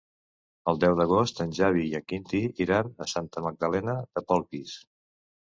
El deu d'agost en Xavi i en Quintí iran a Santa Magdalena de Polpís.